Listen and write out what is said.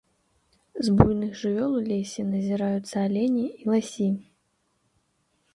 З буйных жывёл у лесе назіраюцца алені і ласі.